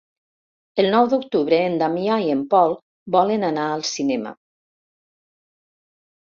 El nou d'octubre en Damià i en Pol volen anar al cinema.